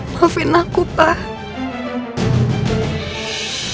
maafin aku pak